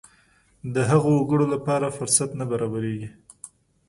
د هغو وګړو لپاره فرصت نه برابرېږي.